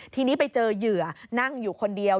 ทีนี้ไปเจอเหยื่อนั่งอยู่คนเดียว